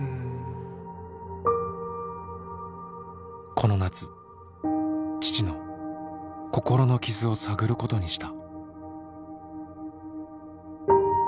この夏父の心の傷を探ることにした。